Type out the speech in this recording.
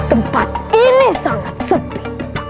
tempat ini sangat sepi